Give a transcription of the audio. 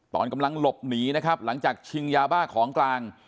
ตอนกำลังหลบหนีนะครับหลังจากชิงยาบ้าของกลาง